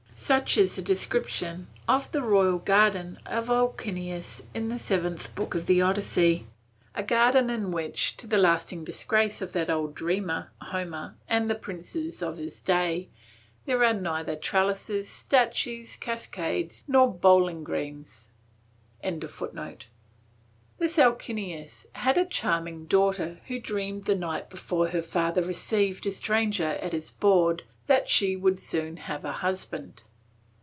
Such is the description of the royal garden of Alcinous in the 7th book of the Odyssey, a garden in which, to the lasting disgrace of that old dreamer Homer and the princes of his day, there were neither trellises, statues, cascades, nor bowling greens."] This Alcinous had a charming daughter who dreamed the night before her father received a stranger at his board that she would soon have a husband."